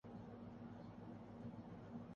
اس کو جلد ختم ہونا چاہیے اور اسی میں ملک کا مفاد ہے۔